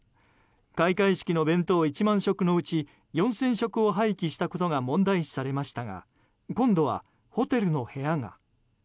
開会式の弁当１万食のうち４０００食を廃棄されたことが問題視されましたが今度は、ホテルの部屋が。